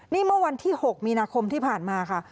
นี่เมื่อวันที่๖มีนาคมที่ผ่านมาค่ะ